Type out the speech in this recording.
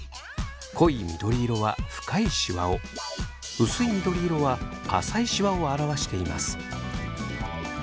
濃い緑色は深いシワを薄い緑色は浅いシワを表しています。